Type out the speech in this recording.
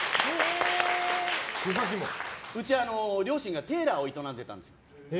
うち、両親がテーラーを営んでたんです。